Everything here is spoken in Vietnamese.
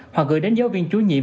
hoặc gửi đến giáo viên chú nhiệm